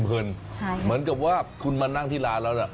เหมือนกับว่าคุณมานั่งที่ร้านแล้วนะ